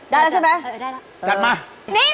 ได้แล้วใช่ไหม